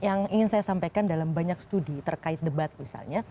yang ingin saya sampaikan dalam banyak studi terkait debat misalnya